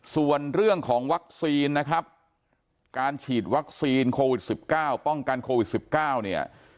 ส่วนเรื่องของวัคซีนนะครับการฉีดวัคซีนโควิด๑๙ป้องกันโควิด๑๙เนี่ย